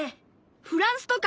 フランスとか。